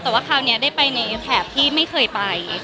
แต่ว่าคราวนี้ไปแขวกับที่ไม่เคยไป